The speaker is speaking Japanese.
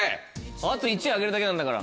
あと１位開けるだけなんだから。